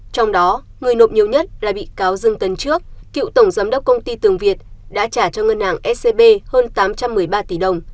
trong đó người nộp nhiều nhất là bị cáo dương tấn trước cựu tổng giám đốc công ty tường việt đã trả cho ngân hàng scb hơn tám trăm một mươi ba tỷ đồng